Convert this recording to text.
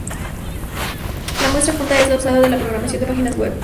La muestra adjunta es la usada en la programación de páginas web.